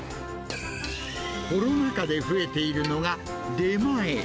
コロナ禍で増えているのが出前。